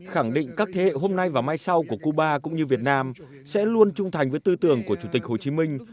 khẳng định các thế hệ hôm nay và mai sau của cuba cũng như việt nam sẽ luôn trung thành với tư tưởng của chủ tịch hồ chí minh